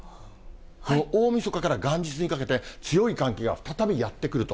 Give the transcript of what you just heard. この大みそかから元日にかけて、強い寒気が再びやって来ると。